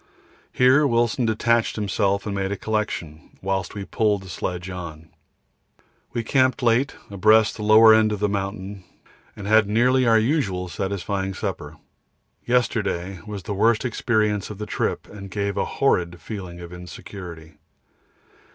Here Wilson detached himself and made a collection, whilst we pulled the sledge on. We camped late, abreast the lower end of the mountain, and had nearly our usual satisfying supper. Yesterday was the worst experience of the trip and gave a horrid feeling of insecurity.